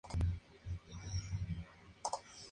¿él no beberá?